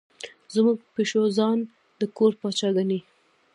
زموږ پیشو ځان د کور پاچا ګڼي.